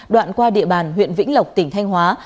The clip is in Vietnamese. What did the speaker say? đoạn qua địa bàn huyện vĩnh lộc tỉnh thanh hóa